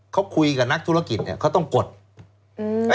เขาคุยกับนักธุรกิจเนี่ยเขาต้องกดอืม